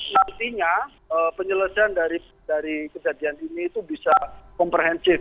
nantinya penyelesaian dari kejadian ini itu bisa komprehensif